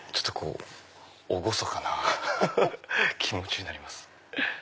厳かな気持ちになります。